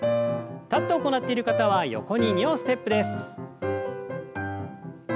立って行っている方は横に２歩ステップです。